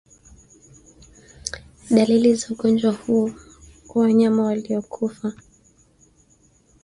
Dalili za ugonjwa huu kwa wanyama waliokufa